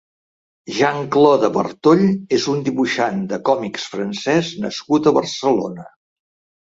Jean-Claude Bartoll és un dibuixant de còmics francès nascut a Barcelona.